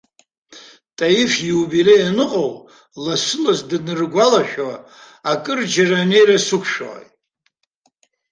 Таиф ииубилеи аныҟоу, лассы-лассы даныргәалашәо, акырџьара анеира сықәшәоит.